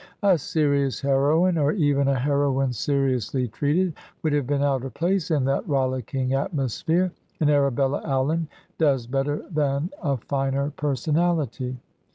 A serious heroine, or even a heroine seriously treated, would have been out of place in that rollicking atmosphere, and Arabella Allen does better than a finer personality.